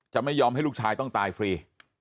ไม่ยอมให้ลูกชายต้องตายฟรี